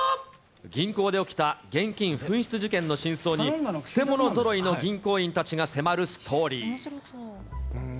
銀行で起きた現金紛失事件の真相に、くせ者ぞろいの銀行員たちが迫るストーリー。